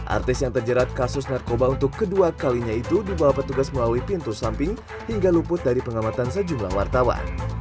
artis yang terjerat kasus narkoba untuk kedua kalinya itu dibawa petugas melalui pintu samping hingga luput dari pengamatan sejumlah wartawan